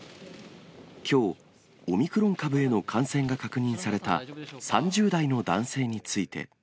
きょう、オミクロン株への感染が確認された３０代の男性について。